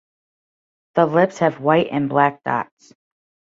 The lips have white and black dots.